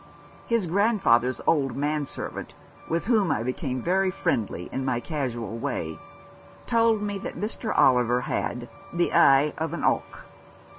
His grandfather's old man servant, with whom I became very friendly in my casual way, told me that Mr. Oliver had "the hi of an 'awk."